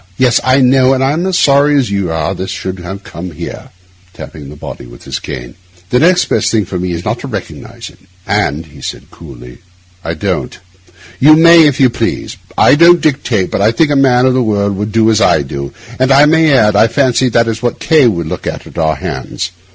Yes, I know; and I'm as sorry as you are this should have come here,' tapping the body with his cane. 'The next best thing for me is not to recognise it; and,' he added coolly, 'I don't. You may, if you please. I don't dictate, but I think a man of the world would do as I do; and I may add, I fancy that is what K— would look for at our hands.